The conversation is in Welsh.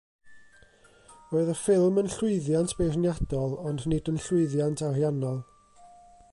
Roedd y ffilm yn llwyddiant beirniadol ond nid yn llwyddiant ariannol.